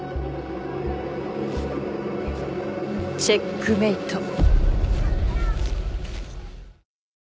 チェックメイト。